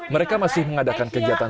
mereka masih mengadakan kegiatan